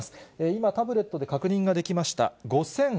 今、タブレットで確認ができました。